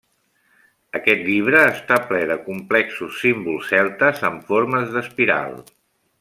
Aquest llibre està ple de complexos símbols celtes amb formes d'espiral.